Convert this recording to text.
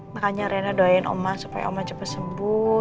makanya rena doain oma supaya oma cepet sembuh